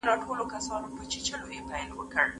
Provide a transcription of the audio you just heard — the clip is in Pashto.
پلار یې سر کي جنت ویني، مور یې ویاړي په کمال